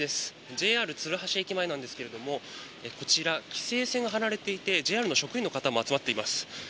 ＪＲ鶴橋駅前なんですがこちら、規制線が張られていてＪＲの職員の方も集まっています。